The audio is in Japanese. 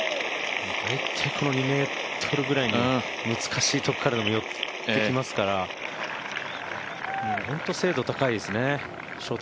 大体この２ｍぐらいの難しいところからでも寄ってきますから本当に精度が高いですね。